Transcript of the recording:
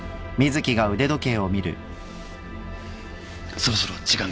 そろそろ時間です。